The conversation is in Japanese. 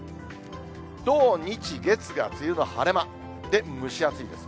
土、日、月が梅雨の晴れ間、で、蒸し暑いです。